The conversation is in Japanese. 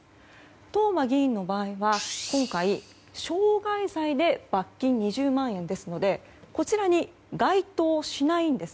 東間議員の場合は今回、傷害罪で罰金２０万円ですのでこちらには該当しないんです。